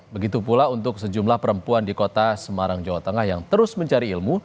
begitu pula untuk sejumlah perempuan di kota semarang jawa tengah yang terus mencari ilmu